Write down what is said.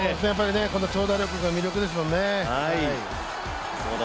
この長打力が魅力ですもんね。